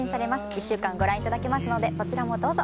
１週間ご覧頂けますのでそちらもどうぞ。